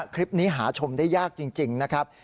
คลิปนี้หาชมได้ยากจริงนะครับ